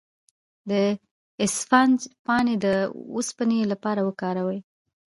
د اسفناج پاڼې د اوسپنې لپاره وکاروئ